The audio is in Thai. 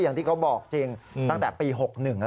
อย่างที่เขาบอกจริงตั้งแต่ปี๖๑แล้ว